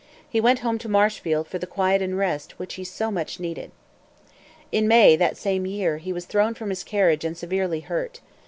He went home to Marshfield for the quiet and rest which he so much needed. In May, that same year, he was thrown from his carriage and severely hurt.